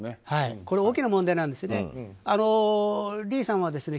これ、大きな問題なんですよね。